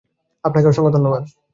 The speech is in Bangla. আপনাকে অসংখ্য ধন্যবাদ।